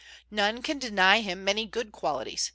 None can deny him many good qualities.